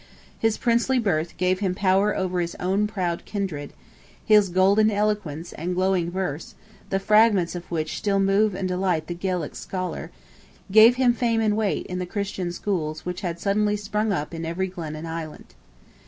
His princely birth gave him power over his own proud kindred; his golden eloquence and glowing verse—the fragments of which still move and delight the Gaelic scholar—gave him fame and weight in the Christian schools which had suddenly sprung up in every glen and island.